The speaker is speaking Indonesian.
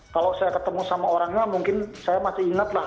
kalau saya ketemu sama orangnya mungkin saya masih ingat lah